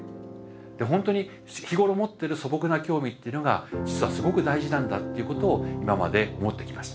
ほんとに日頃思ってる素朴な興味っていうのが実はすごく大事なんだっていうことを今まで思ってきました。